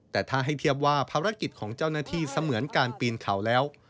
แต่ถ้าให้เทียบว่าภารกิจของเจ้าหน้าที่เสมือนการปีนเขาแล้ว